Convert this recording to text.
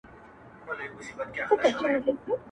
د زړه له درده دا نارۍ نه وهم.